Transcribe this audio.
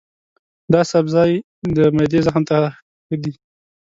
دا سبزی د معدې زخم ته ښه دی.